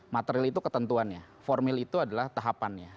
material itu ketentuannya formil itu adalah tahapannya